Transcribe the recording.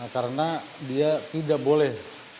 karena dia tidak boleh